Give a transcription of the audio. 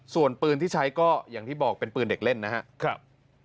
ส่วนปืนที่ใช้ก็อย่างที่บอกเป็นปืนเด็กเล่นนะครับ